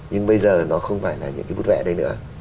nhưng bây giờ nó không phải là những cái bút vẽ đây nữa